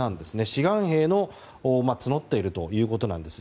志願兵を募っているということなんです。